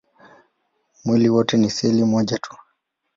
Mwili wote ni seli moja tu.